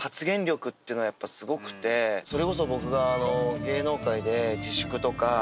それこそ僕が。